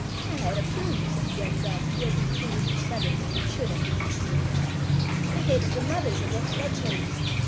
"Ahead of whom?" said the young Dove, who had been preening his feathers when he should have been listening. "Ahead of the mothers and their fledglings.